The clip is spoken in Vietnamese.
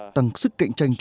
tăng sức cạnh tranh